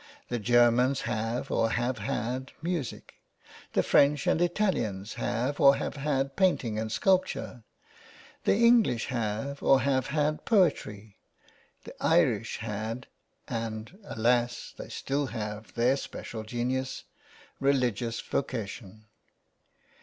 The Germans have or have had music. The French and Italians have or have had painting and sculpture. The English have or have had poetry. The Irish had, and alas ! they still have their special genius, religious vocation."